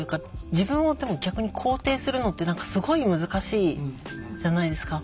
自分をでも逆に肯定するのってすごい難しいじゃないですか。